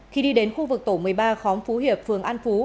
khi đi đến khu vực tổ một mươi ba khóm phú hiệp phường an phú